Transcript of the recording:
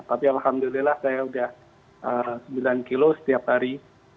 tapi alhamdulillah saya sudah sembilan kilo setiap hari